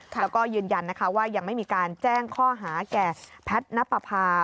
แล้วก็ยืนยันนะคะว่ายังไม่มีการแจ้งข้อหาแก่แพทย์นับประพา